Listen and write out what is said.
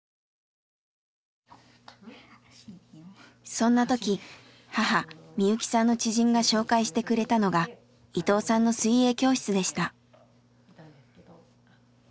そんな時母美雪さんの知人が紹介してくれたのが伊藤さんの水泳教室でした。